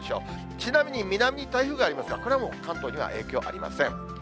ちなみに南に台風がありますが、これはもう、関東には影響ありません。